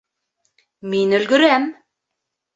Мин өлгөрәм